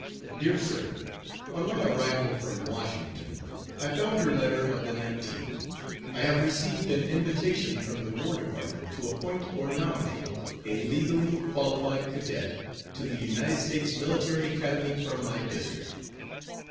DEAR SIR: On my arrival from Washington I found your letter of the 19th. I have received an invitation from the War Department to appoint, or nominate, a legally qualified cadet to the United States Military Academy from my district.